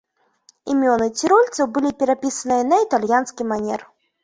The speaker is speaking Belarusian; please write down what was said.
Імёны цірольцаў былі перапісаныя на італьянскі манер.